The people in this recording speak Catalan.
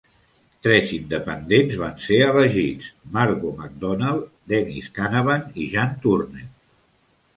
Tres independents van ser elegits: Margo MacDonald, Dennis Canavan i Jean Turner.